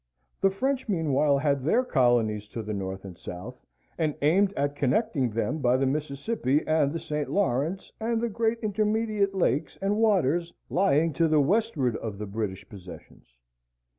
The French, meanwhile, had their colonies to the north and south, and aimed at connecting them by the Mississippi and the St. Lawrence and the great intermediate lakes and waters lying to the westward of the British possessions.